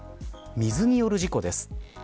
水による事故です。